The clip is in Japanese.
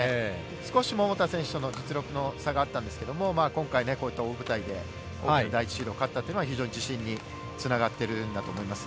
少し桃田選手との実力の差があったんですが今回、大舞台で第１シードを勝ったというのは非常に自信につながっているんだと思います。